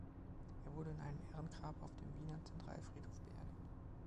Er wurde in einem Ehrengrab auf dem Wiener Zentralfriedhof beerdigt.